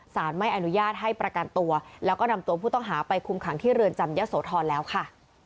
สารไม่อนุญาตให้ประกันตัวแล้วก็นำตัวผู้ต้องหาไปคุมขังที่เรือนจำยะโสธรแล้วค่ะ